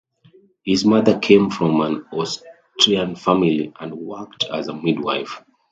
His mother came from an Austrian family and worked as a midwife.